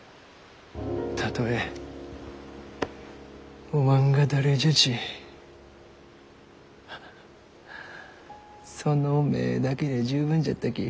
たとえおまんが誰じゃちその目だけで十分じゃったき。